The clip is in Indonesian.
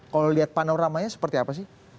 kalau lihat panoramanya seperti apa sih